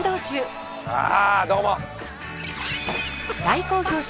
ああどうも。